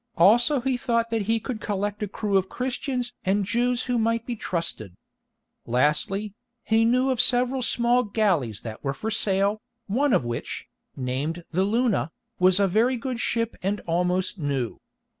Also he thought that he could collect a crew of Christians and Jews who might be trusted. Lastly, he knew of several small galleys that were for sale, one of which, named the Luna, was a very good ship and almost new.